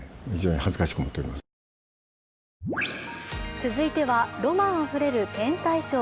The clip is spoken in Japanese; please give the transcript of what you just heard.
続いてはロマンあふれる天体ショー。